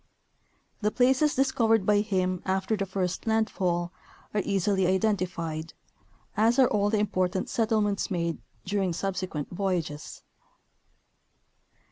The places discovered by him after the first landfall are easily identified, as are all the important settlements made during subsequent voyages.